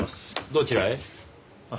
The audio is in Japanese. どちらへ？